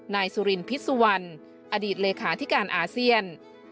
นายสุรินพิษสุวรรณอดีตเลขาธิการอาเซียน